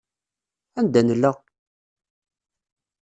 Anda nella?